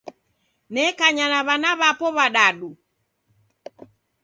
Nekanya na w'ana w'apo w'adadu.